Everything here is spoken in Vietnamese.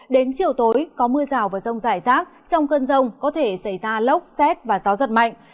đến chiều tối có mưa rào và rông rải rác trong cơn rông có thể xảy ra lốc xét và gió giật mạnh